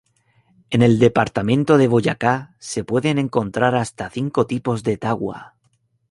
En el departamento de Boyacá se pueden encontrar hasta cinco tipos de tagua.